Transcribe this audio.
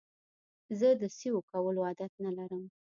زه د سیو کولو عادت لرم.